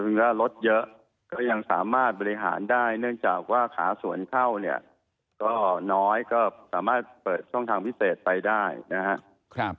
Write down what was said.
คือถ้ารถเยอะก็ยังสามารถบริหารได้เนื่องจากว่าขาสวนเข้าเนี่ยก็น้อยก็สามารถเปิดช่องทางพิเศษไปได้นะครับ